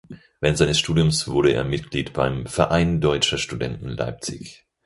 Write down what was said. Während seines Studiums wurde er Mitglied beim "Verein Deutscher Studenten Leipzig".